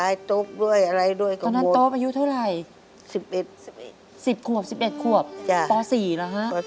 ไอ้โต๊ปโดนรถชน